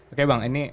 oke bang ini